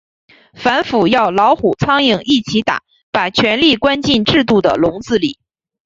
反腐要老虎、苍蝇一起打，把权力关进制度的笼子里。